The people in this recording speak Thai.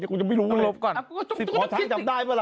กูจะไม่รู้ลบก่อนที่ขอชั้นจำได้ป่าล่ะ